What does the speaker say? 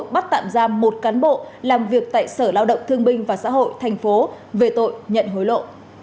bắt tạm giam một cán bộ làm việc tại sở lao động thương binh và xã hội thành phố về tội nhận hối lộ